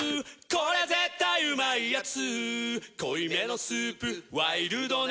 これ絶対うまいやつ」